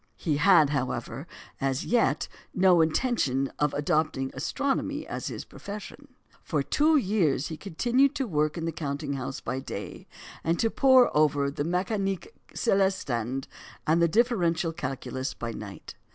He had, however, as yet no intention of adopting astronomy as his profession. For two years he continued to work in the counting house by day, and to pore over the Mécanique Céleste and the Differential Calculus by night.